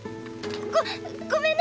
ごごめんね！